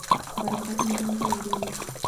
برکت له منځه وړي.